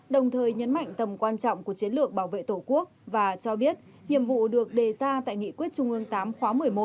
đồng thời nhấn mạnh tầm quan trọng của chiến lược bảo vệ tổ quốc và cho biết nhiệm vụ được đề ra tại nghị quyết trung ương tám khóa một mươi một